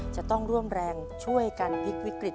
จะต้องร่วมแรงช่วยกันพลิกวิกฤต